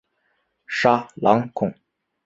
沙朗孔。